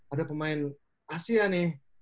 ada pemain asia nih